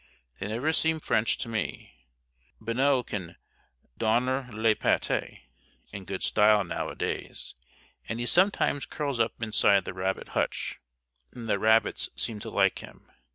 They never seem French to me. Bonneau can "donner la patte" in good style nowadays, and he sometimes curls up inside the rabbit hutch, and the rabbits seem to like him.